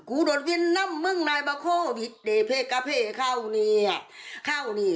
กูโดดวินน้ำมึงนายปะโควิดได้เพ้กะเพ้เข้าเนี่ยเข้าเนี่ย